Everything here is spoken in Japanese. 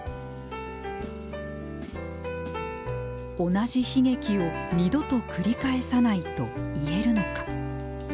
同じ悲劇を二度と繰り返さないと言えるのか。